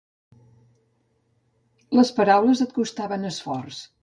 Les paraules et costaven esforç.